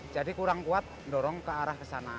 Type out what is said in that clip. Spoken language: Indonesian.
jadi kurang kuat mendorong ke arah ke sana